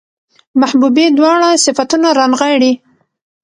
محبوبې دواړه صفتونه رانغاړي